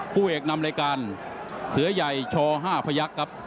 ผู้เอกนำรายการเสือใหญ่ช๕พยักษ์ครับ